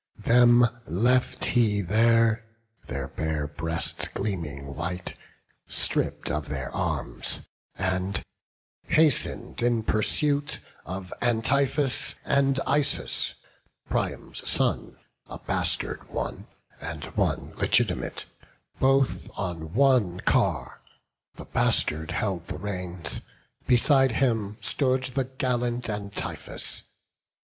Them left he there, their bare breasts gleaming white, Stripp'd of their arms; and hasten'd in pursuit Of Antiphus and Isus, Priam's sons, A bastard one, and one legitimate, Both on one car; the bastard held the reins: Beside him stood the gallant Antiphus.